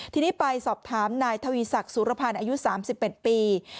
ทีนี้ไปสอบถามนายทวีศักดิ์สุรพันธ์อายุ๓๑ปี